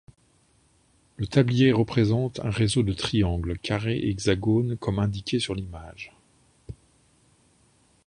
Le tablier représente un réseau de triangles, carrés et hexagones, comme indiqué sur l'image.